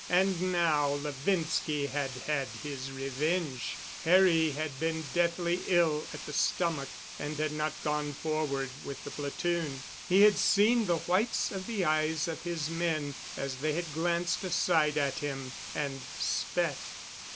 And now Levinski had had his revenge. Harry had been deathly ill at the stomach, and had not gone forward with the platoon. He had seen the whites of the eyes of his men as they had glanced aside at him—and spat.